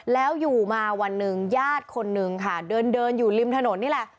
แล้วอยู่มาวันหนึ่งญาติคนนึงค่ะเดินเดินอยู่ริมถนนนี่แหละ